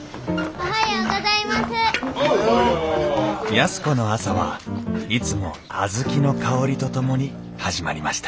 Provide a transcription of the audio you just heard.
安子の朝はいつも小豆の香りとともに始まりました